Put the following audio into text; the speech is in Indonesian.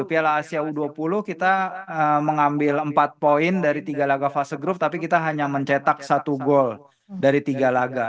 piala asia u dua puluh kita mengambil empat poin dari tiga laga fase grup tapi kita hanya mencetak satu gol dari tiga laga